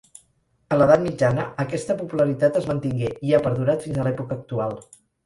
A l'Edat Mitjana aquesta popularitat es mantingué i ha perdurat fins a l'època actual.